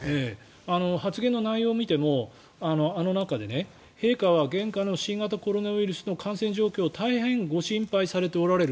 発言の内容を見てもあの中で陛下は、現下の新型コロナウイルスの感染状況を大変ご心配されておられる。